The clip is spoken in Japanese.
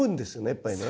やっぱりね。